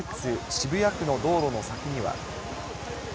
渋谷区の道路の先には。